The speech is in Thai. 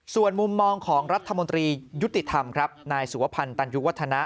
ส่วนมุมมองของรัฐมนตรียุติธรรมครับนายสุวพันธ์ตันยุวัฒนะ